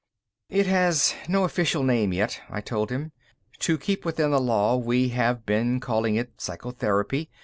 "It has no official name yet," I told him. "To keep within the law, we have been calling it psychotherapy.